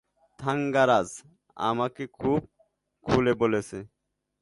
থাঙ্গারাজ আমাকে সব খুলে বলেছে।